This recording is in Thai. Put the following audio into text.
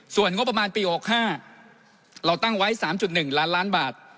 ส่วนงบประมาณปี๖๕เราตั้งไว้๓๑ล้านล้านบาท